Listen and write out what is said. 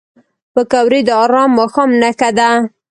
پکورې د ارام ماښام نښه ده